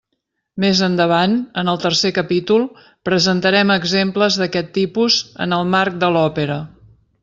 Més endavant, en el tercer capítol, presentarem exemples d'aquest tipus en el marc de l'òpera.